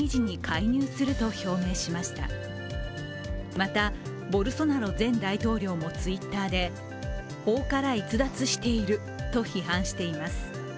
またボルソナロ前大統領もＴｗｉｔｔｅｒで法から逸脱していると批判しています。